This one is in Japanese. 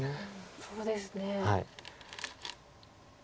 そうですね。